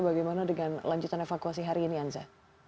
bagaimana dengan lanjutan evakuasi hari ini anza